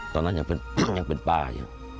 ตอนนั้นยังเป็นป้าอยู่